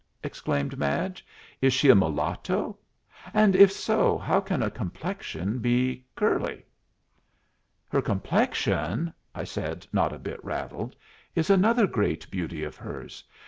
exclaimed Madge. "Is she a mulatto? And, if so, how can a complexion be curly?" "Her complexion," I said, not a bit rattled, "is another great beauty of hers.